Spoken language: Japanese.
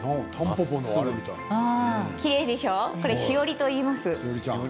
きれいでしょ、これ詩織といいます。